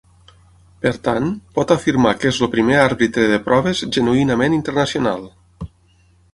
Per tant, por afirmar que és el primer àrbitre de proves genuïnament "internacional".